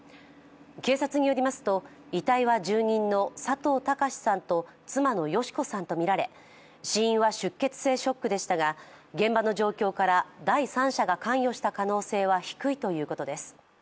警察によりますと遺体は住人の佐藤孝さんと妻の良子さんとみられ死因は出血性ショックでしたが現場の状況から第三者が関与した可能性は低いということです。